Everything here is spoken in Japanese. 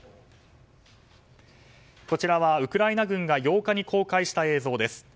こちらは、ウクライナ軍が８日に公開した映像です。